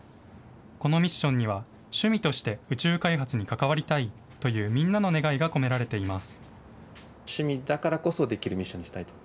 このミッションには、趣味として宇宙開発に関わりたいという、みんなの願いが込められています。